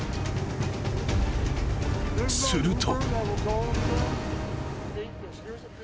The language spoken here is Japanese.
［すると］